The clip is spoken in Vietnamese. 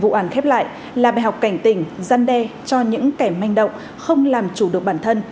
vụ án khép lại là bài học cảnh tỉnh giăn đe cho những kẻ manh động không làm chủ được bản thân